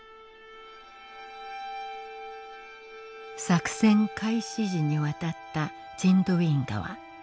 作戦開始時に渡ったチンドウィン河。